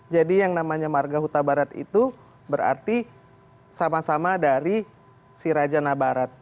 jadi yang namanya marga huta barat itu berarti sama sama dari si raja nabarat